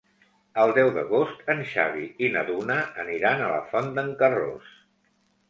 El deu d'agost en Xavi i na Duna aniran a la Font d'en Carròs.